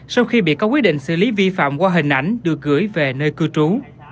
sau khi bị có quyết định xử lý vi phạm qua hình ảnh được gửi về nơi cư trú